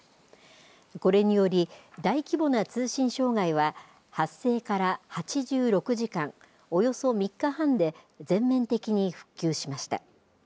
これにより、大規模な通信障害は発生から８６時間、およそ３日半で全面的に復旧しました。